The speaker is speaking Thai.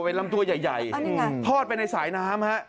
เป็นลำตัวใหญ่ทอดไปในสายน้ำฮะ